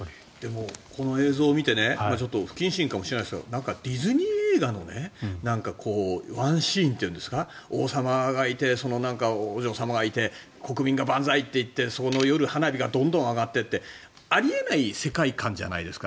この映像を見てちょっと不謹慎かもしれませんがディズニー映画のワンシーンというんですか王様がいて、お嬢様がいて国民が万歳って言ってその夜、花火がどんどん上がってってあり得ない世界観じゃないですか。